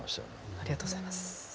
ありがとうございます。